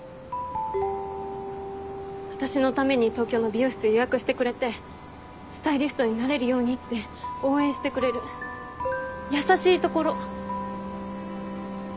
私のために東京の美容室予約してくれてスタイリストになれるようにって応援してくれる優しいところ。